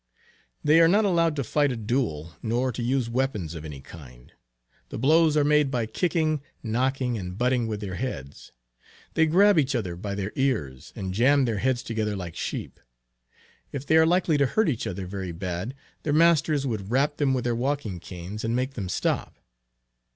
They are not allowed to fight a duel, nor to use weapons of any kind. The blows are made by kicking, knocking, and butting with their heads; they grab each other by their ears, and jam their heads together like sheep. If they are likely to hurt each other very bad, their masters would rap them with their walking canes, and make them stop.